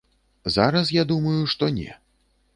Зараз я думаю, што не.